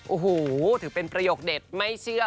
โอ้โหถือเป็นประโยคเด็ดไม่เชื่อ